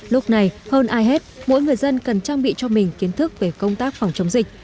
lúc này hơn ai hết mỗi người dân cần trang bị cho mình kiến thức về công tác phòng chống dịch